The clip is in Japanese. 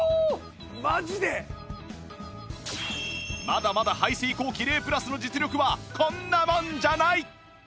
まだまだ排水口キレイプラスの実力はこんなもんじゃない！